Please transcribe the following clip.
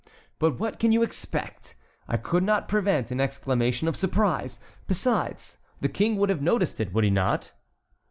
But what can you expect? I could not prevent an exclamation of surprise. Besides, the King would have noticed it, would he not?"